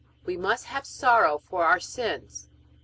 We must have sorrow for our sins.